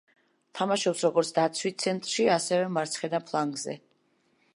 თამაშობს როგორც დაცვის ცენტრში, ასევე მარცხენა ფლანგზე.